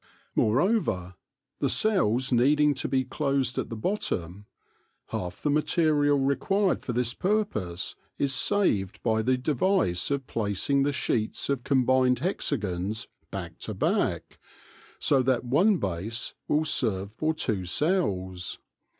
Moreover, the cells needing to be closed at the bottom, half the material required for this purpose is saved by the device of placing the sheets of combined hexagons back to back, so that one base will serve for two cells.